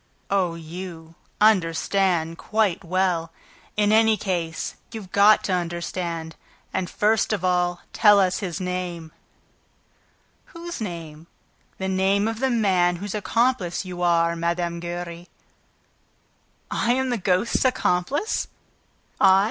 "Oh, you, understand quite well. In any case, you've got to understand... And, first of all, tell us his name." "Whose name?" "The name of the man whose accomplice you are, Mme. Giry!" "I am the ghost's accomplice? I? ...